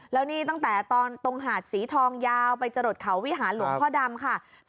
แล้วนี่ตั้งแต่ตอนตรงหาดสีทองยาวไปจรดเขาวิหารหลวงพ่อดำค่ะ